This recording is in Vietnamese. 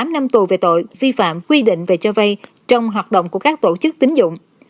một mươi tám năm tù về tội vi phạm quy định về cho vay trong hoạt động của các tổ chức tín dụng